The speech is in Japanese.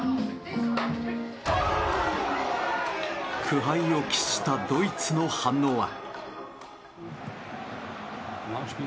苦杯を喫したドイツの反応は。